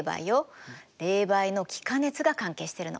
冷媒の気化熱が関係してるの。